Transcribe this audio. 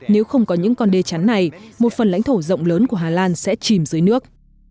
nếu không có những con đê chắn này một phần lãnh thổ rộng lớn của hà lan sẽ chìm dưới nước